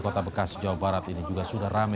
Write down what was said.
kota bekasi jawa barat ini juga sudah rame